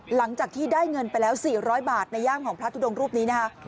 หลังจากที่ได้เงินไปแล้ว๔๐๐บาทในย่ามของพระทุดงรูปนี้นะคะ